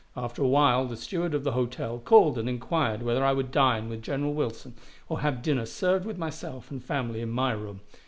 After a while the steward of the hotel called and inquired whether I would dine with General Wilson or have dinner served with myself and family in my room.